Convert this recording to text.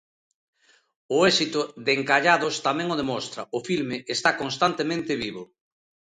O éxito de Encallados tamén o demostra: O filme está constantemente vivo.